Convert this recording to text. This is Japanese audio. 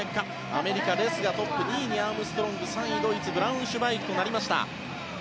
アメリカ、レスがトップ２位にアームストロング３位にドイツブラウンシュバイクとなりました。